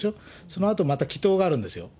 そのあとまた祈とうがあるんですよ。